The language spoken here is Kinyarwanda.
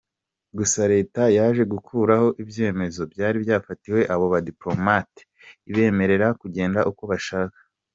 Gusa Leta yaje gukuraho ibyemezo byari byafatiwe abo badipolomate, ibemerera kugenda uko bashaka.